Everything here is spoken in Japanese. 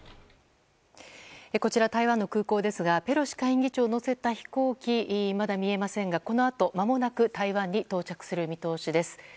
こちら、台湾の空港ですがペロシ下院議長を乗せた飛行機はまだ見えませんがこのあと、まもなく台湾に到着する見通しです。